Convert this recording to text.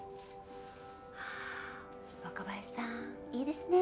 若林さんいいですね。